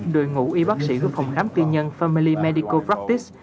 đội ngũ y bác sĩ của phòng khám tiên nhân family medical practice